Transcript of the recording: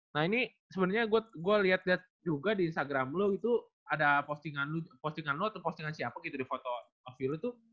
nah ini sebenarnya gue lihat lihat juga di instagram lu itu ada postingan lu atau postingan siapa gitu di foto of you lu tuh